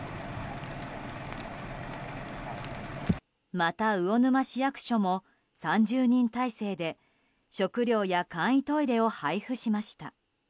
また魚沼市役所も３０人態勢で食料や簡易トイレを配布しました。